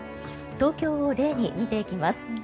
東京を例に見ていきます。